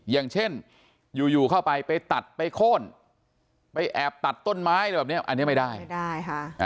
อย่างเช่นอยู่เข้าไปไปตัดไปโค้นไปแอบตัดต้นไม้อันนี้ไม่ได้